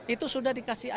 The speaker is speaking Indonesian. itu sudah dikasihkan